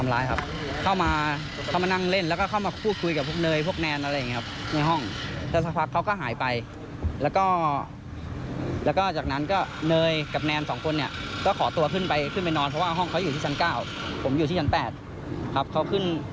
แล้วก็จากนั้นเนยกับแนนสองคนก็ขอตัวขึ้นไปนอนเพราะว่าห้องเขาอยู่ที่ชั้น๙ผมอยู่ที่ชั้น๘